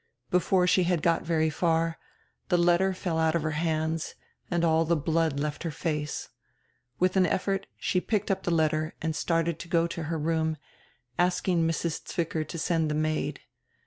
Before she had got very far, the letter fell out of her hands and all the blood left her face. With an effort she picked up the letter and started to go to her room, asking Mrs. Zwicker to send the maid.